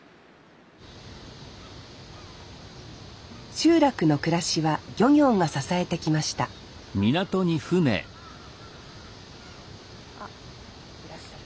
集落の暮らしは漁業が支えてきましたあっいらっしゃる。